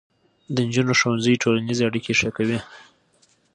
د نجونو ښوونځي ټولنیزې اړیکې ښې کوي.